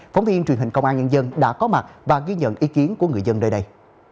phóng viên truyền hình công an nhân dân đã có mặt và ghi nhận ý kiến của người dân nơi đây